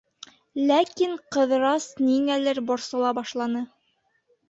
Ләкин Ҡыҙырас ниңәлер борсола башланы.